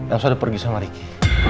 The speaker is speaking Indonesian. elsa udah pergi sama ricky